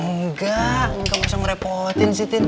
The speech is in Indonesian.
enggak gak usah ngerepotin sih tin